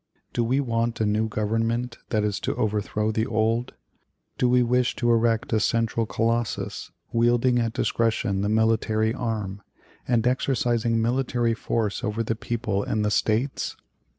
Do we want a new Government that is to overthrow the old? Do we wish to erect a central Colossus, wielding at discretion the military arm, and exercising military force over the people and the States?